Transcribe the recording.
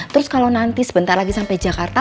terus kalau nanti sebentar lagi sampai jakarta